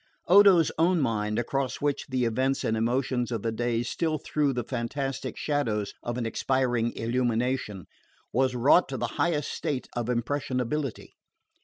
Odo's own mind, across which the events and emotions of the day still threw the fantastic shadows of an expiring illumination, was wrought to the highest state of impressionability.